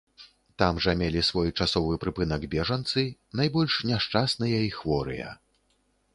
Там жа мелі свой часовы прыпынак бежанцы, найбольш няшчасныя і хворыя.